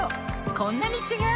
こんなに違う！